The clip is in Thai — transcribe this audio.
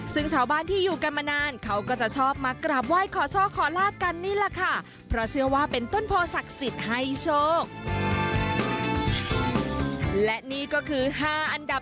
ซึ่งชาวบ้านที่อยู่กันมานานเขาก็จะชอบมากราบไหว้ขอโชคขอลาบกันนี่แหละค่ะ